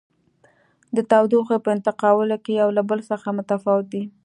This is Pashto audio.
د تودوخې په انتقالولو کې یو له بل څخه متفاوت دي.